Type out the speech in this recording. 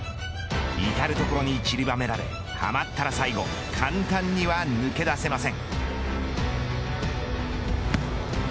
いたる所にちりばめられはまったら最後簡単には抜け出せません。